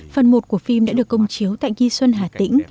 phần một của phim đã được công chiếu tại ghi xuân hà tĩnh